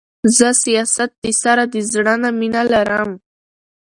زه سياست د سره د زړه نه مينه لرم.